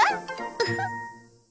ウフッ。